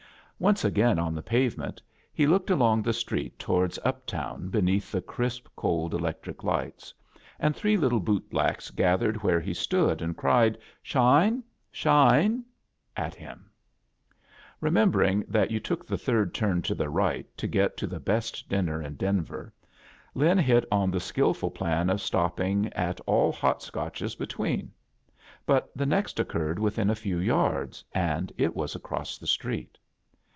Once agata on the pavement, he looked along the street towards up town beneath the crisp, cold electric lights, and three little bootblacks gathered where he stood, and cried, "Shine? Shine?" at him. Re membn^g that you took the third turn to the right to get the best dinner in Den vor, Lin hh on the skilful plan of stopping at all Hot Scotches between; but the next occurred wHhin a few yards, and it was across the street.